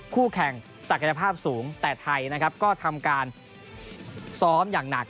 คู่แข่งศักยภาพสูงแต่ไทยนะครับก็ทำการซ้อมอย่างหนัก